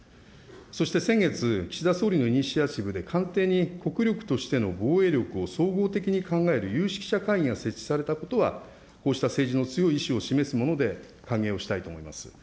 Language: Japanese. そして先月、岸田総理のイニシアチブで、官邸に国力としての防衛力を総合的に考える有識者会議が設置されたことは、こうした政治の強い意思を示すもので、歓迎をしたいと思います。